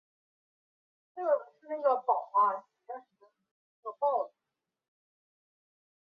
贺州市钟山县简介